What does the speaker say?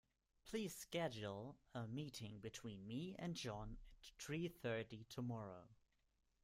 Please schedule a meeting between me and John at three thirty tomorrow.